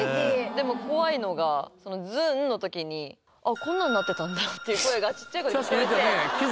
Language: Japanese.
でも怖いのが「ずん」の時に「こんなんなってたんだ」っていう声がちっちゃい声で聞こえて確かに言うてたね